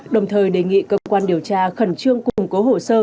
đồng thời đề nghị cơ quan điều tra khẩn trương củng cố hồ sơ